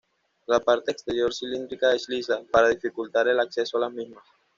La parte exterior cilíndrica es lisa, para dificultar el acceso a las mismas.